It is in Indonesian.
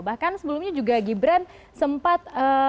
bahkan sebelumnya juga gibran sempat